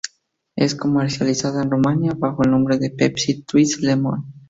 Es comercializada en Rumania bajo el nombre de Pepsi Twist Lemon.